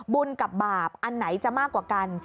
บุญกับบาปอันไหนจะมากกว่ากัน